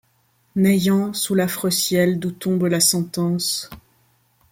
N’ayant, sous l’affreux ciel d’où tombe la sentence